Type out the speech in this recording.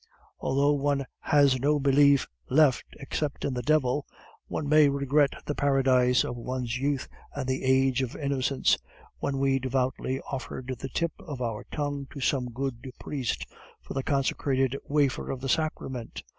Although one has no belief left, except in the devil, one may regret the paradise of one's youth and the age of innocence, when we devoutly offered the tip of our tongue to some good priest for the consecrated wafer of the sacrament.